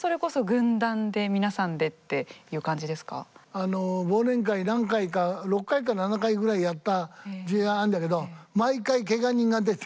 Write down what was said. あの忘年会何回か６回か７回ぐらいやった時代あるんだけど毎回けが人が出て。